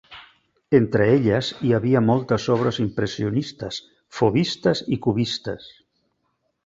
Entre elles hi havia moltes obres impressionistes, fauvistes i cubistes.